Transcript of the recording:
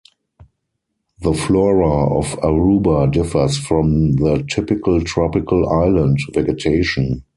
The flora of Aruba differs from the typical tropical island vegetation.